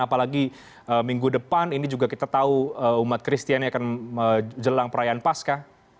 apalagi minggu depan ini juga kita tahu umat kristiani akan menjelang perayaan pasca